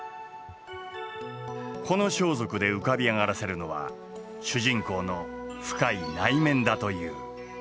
この装束で浮かび上がらせるのは主人公の深い内面だという。